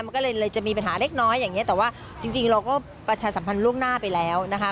มันก็เลยจะมีปัญหาเล็กน้อยอย่างเงี้แต่ว่าจริงเราก็ประชาสัมพันธ์ล่วงหน้าไปแล้วนะคะ